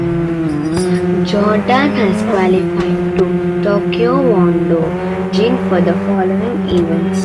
Jordan has qualified two taekwondo jin for the following events.